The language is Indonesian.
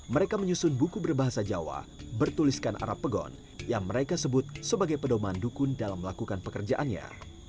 mereka menyusun buku berbahasa jawa bertuliskan arab pegon yang mereka sebut sebagai pedoman dukun dalam melakukan pekerjaannya